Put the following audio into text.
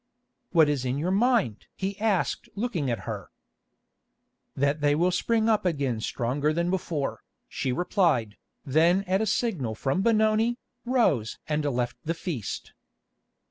"What is in your mind?" he asked looking at her. "That they will spring up again stronger than before," she replied, then at a signal from Benoni, rose and left the feast.